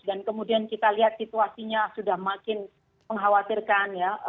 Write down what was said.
dan kemudian kita lihat situasinya sudah makin mengkhawatirkan ya